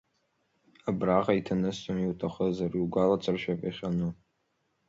Абраҟа еиҭанысҵом иуҭахызар, иугәаласыршәап иахьану…